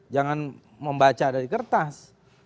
jangan membaca dari kertas